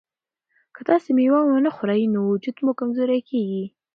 که تاسي مېوه ونه خورئ نو وجود مو کمزوری کیږي.